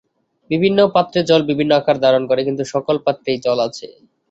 বিভিন্ন পাত্রে জল বিভিন্ন আকার ধারণ করে, কিন্তু সকল পাত্রেই জল আছে।